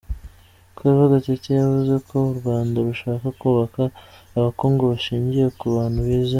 Claver Gatete, yavuze ko u Rwanda rushaka kubaka ubukungu bushingiye ku bantu bize.